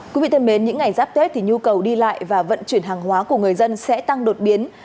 quý vị thân mến những ngày giáp tết thì nhu cầu đi lại và vận chuyển hàng hóa của người dân sẽ tăng đột biến